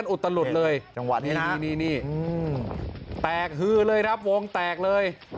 อุตลูกเลยใต้หื้อเลยครับโนะไมค์แปลกเลย